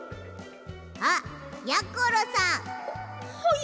あっやころさん！ははい！